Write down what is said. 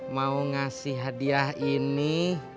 mau ngasih hadiah ini